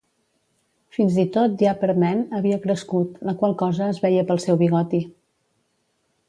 Fins i tot Diaper Man havia crescut, la qual cosa es veia pel seu bigot.